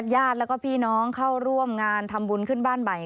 ญาติแล้วก็พี่น้องเข้าร่วมงานทำบุญขึ้นบ้านใหม่